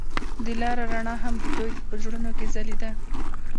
د لاره رڼا هم د دوی په زړونو کې ځلېده.